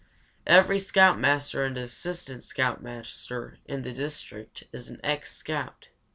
Every scoutmaster and assistant scoutmaster in the district is an ex scout.